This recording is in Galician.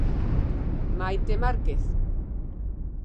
Maite Márquez.